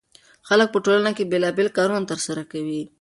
خلک په ټولنه کې بېلابېل کارونه ترسره کوي.